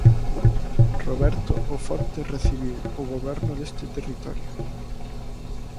Roberto o Forte recibiu o goberno deste territorio.